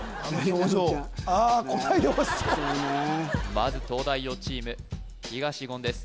まず東大王チーム東言です